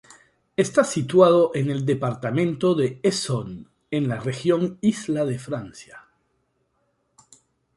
Está situado en el departamento de Essonne, en la región Isla de Francia.